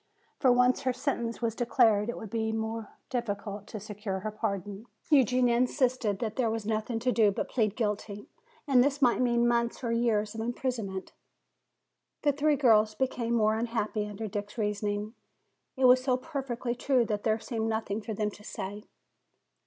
For once her sentence was declared, it would be more difficult to secure her pardon. Eugenia insisted that there was nothing to do but plead guilty. And this might mean months or years of imprisonment! The three girls became more unhappy under Dick's reasoning. It was so perfectly true that there seemed nothing for them to say.